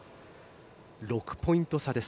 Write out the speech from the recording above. ６ポイント差です。